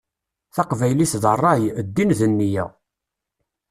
Taqbaylit d ṛṛay, ddin d neyya.